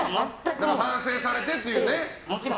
反省されてというね。